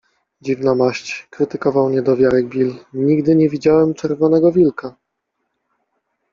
- Dziwna maść - krytykował niedowiarek Bill. - Nigdy nie widziałem czerwonego wilka.